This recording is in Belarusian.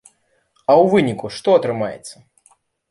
А ў выніку што атрымаецца?